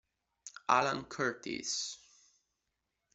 Alan Curtis